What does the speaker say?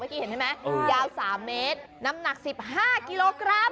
เมื่อกี้เห็นใช่ไหมยาว๓เมตรน้ำหนัก๑๕กิโลกรัม